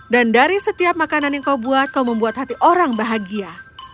dan dari setiap makanan yang kau buat kau membuat hati orang bahagia